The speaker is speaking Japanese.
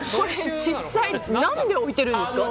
実際、何で置いているんですか？